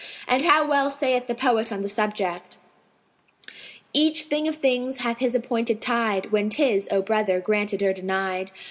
And how well saith the poet on the subject, "Each thing of things hath his appointed tide * When 'tis, O brother, granted or denied.